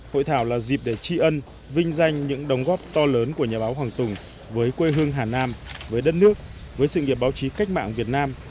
hội thảo là dịp để tri ân vinh danh những đồng góp to lớn của nhà báo hoàng tùng với quê hương hà nam với đất nước với sự nghiệp báo chí cách mạng việt nam